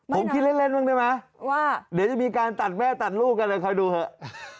ผมคิดเล่นบ้างได้ไหมว่าเดี๋ยวจะมีการตัดแม่ตัดลูกกันเลยคอยดูเถอะ